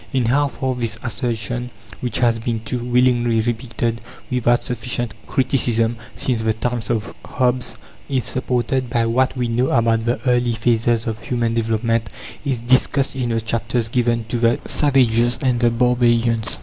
In how far this assertion, which has been too willingly repeated, without sufficient criticism, since the times of Hobbes, is supported by what we know about the early phases of human development, is discussed in the chapters given to the Savages and the Barbarians.